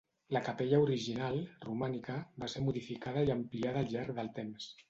La capella original, romànica, va ser modificada i ampliada al llarg del temps.